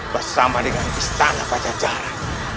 bersama dengan istana pajacara